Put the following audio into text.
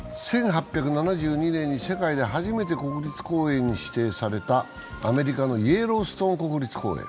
１８７２年に世界で初めて国立公園に指定されたアメリカのイエローストーン国立公園。